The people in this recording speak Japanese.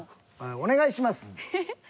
お願いします。